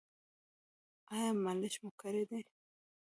ایا مالش مو کړی دی؟